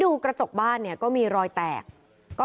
พุ่งเข้ามาแล้วกับแม่แค่สองคน